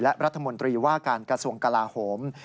และรัฐมนตรีว่าการกระทรวงกลาโหม